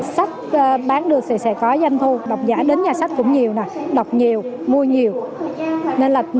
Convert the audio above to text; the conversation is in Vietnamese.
sách bán được thì sẽ có doanh thu đọc giả đến nhà sách cũng nhiều nè đọc nhiều mua nhiều nên là